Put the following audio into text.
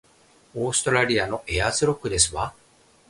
オーストラリアのエアーズロックですわ